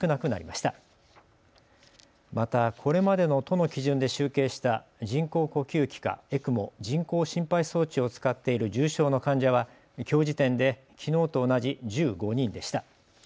また、これまでの都の基準で集計した人工呼吸器かＥＣＭＯ・人工心肺装置を使っている重症の患者はきょう時点できのうと同じ１５人でした。